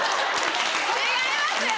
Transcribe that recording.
違いますよ！